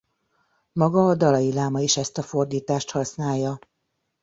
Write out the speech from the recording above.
Maga a dalai láma is ezt a fordítást használja.